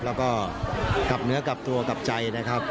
แล้วก็กลับเนื้อกลับตัวกลับใจนะครับ